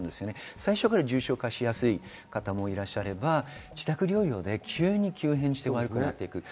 最初から重症化しやすい方もいれば自宅療養で急に急変して悪くなる。